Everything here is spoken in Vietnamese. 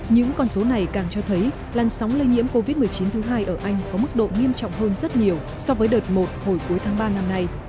những con số này càng cho thấy làn sóng lây nhiễm covid một mươi chín thứ hai ở anh có mức độ nghiêm trọng hơn rất nhiều so với đợt một hồi cuối tháng ba năm nay